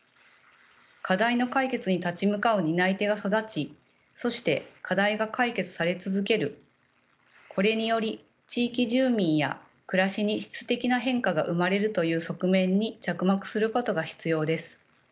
課題の解決に立ち向かう担い手が育ちそして課題が解決され続けるこれにより地域住民や暮らしに質的な変化が生まれるという側面に着目することが必要です。